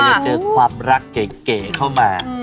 จะเจอความรักเก๋เข้ามา